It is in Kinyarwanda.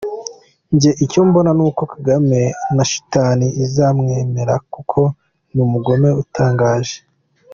nge icyo mbona nuko kagame na shitani itazamwemera kuko ni umugome utangaje!!!